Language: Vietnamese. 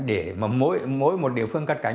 để mà mỗi một địa phương cắt cánh